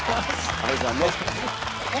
阿部さんね。